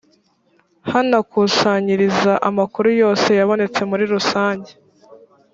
bakanakusanyiriza amakuru yose yabonetse muri rusanjye